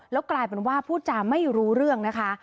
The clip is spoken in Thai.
แล้วกลายเป็นว่าพูดจาไม่รู้เรื่องนะคะ